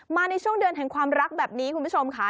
ในช่วงเดือนแห่งความรักแบบนี้คุณผู้ชมค่ะ